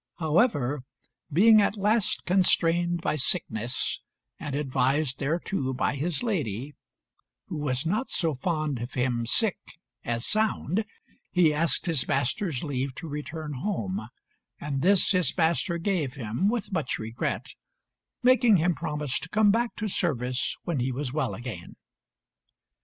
However, being at last constrained by sickness and advised thereto by his lady, who was not so fond of him sick as sound, he asked his master's leave to return home, and this his master gave him with much regret, making him promise to come back to service when he was well again.